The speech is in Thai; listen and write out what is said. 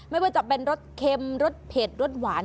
ไม่ว่าจะเป็นรสเค็มรสเผ็ดรสหวาน